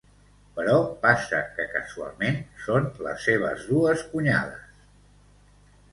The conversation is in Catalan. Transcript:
Però passa que casualment són les seves dues cunyades…